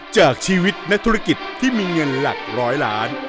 จากชีวิตนักธุรกิจที่มีเงินหลักร้อยล้าน